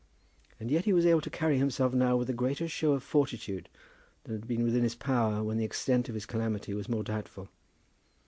And yet he was able to carry himself now with a greater show of fortitude than had been within his power when the extent of his calamity was more doubtful.